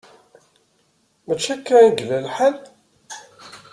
Mačči akka i yella lḥal?